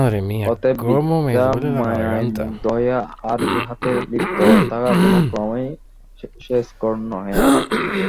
অতএব বৃথা মায়ায় মুগ্ধ হইয়া আর ইহাতে লিপ্ত থাকা কোন ক্রমেই শ্রেয়স্কর নহে।